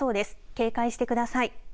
警戒してください。